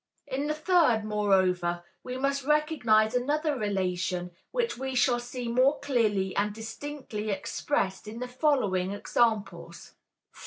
In the third, moreover, we must recognize another relation which we shall see more clearly and distinctly expressed in the following examples: 4.